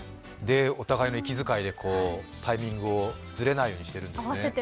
お互いの息遣いでタイミングをずれないようにしているんですね。